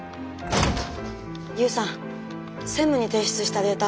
勇さん専務に提出したデータ